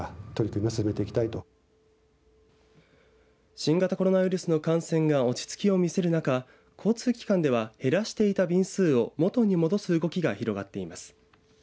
新型コロナウイルスの感染が落ち着きを見せる中交通機関では減らしていた便数を元に戻す動きが広がっています。